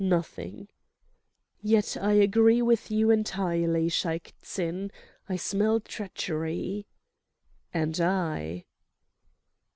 "Nothing." "Yet I agree with you entirely, Shaik Tsin. I smell treachery." "And I."